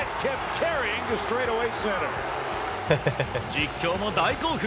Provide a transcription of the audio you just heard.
実況も大興奮！